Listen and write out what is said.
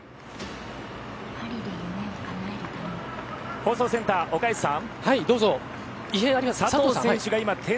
放送センター岡安さん。